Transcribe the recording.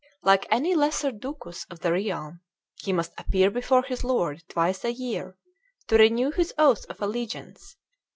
Like any lesser ducus of the realm, he must appear before his lord twice a year to renew his oath of allegiance.